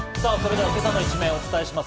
今朝の一面、お伝えします。